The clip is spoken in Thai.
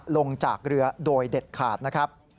ลงจากเรือโดยเด็ดขาดนะครับ